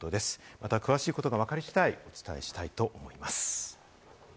また詳しいことがわかり次第お伝えしたいと思います。